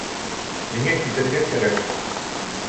Миңә китергә кәрәк